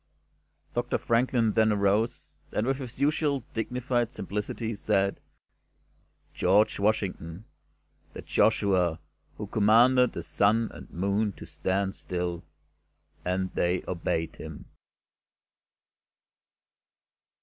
Doctor Franklin then arose, and, with his usual dignified simplicity, said: "George Washington' The Joshua who commanded the Sun and Moon to stand still, and they obeyed him."